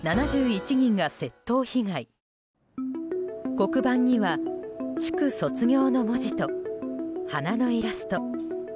黒板には、「祝卒業」の文字と花のイラスト。